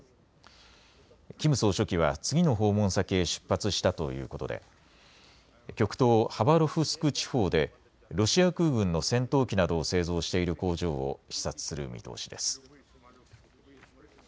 キム総書記は次の訪問先へ出発したということで極東ハバロフスク地方でロシア空軍の戦闘機などを製造している工場を視察する見通しです。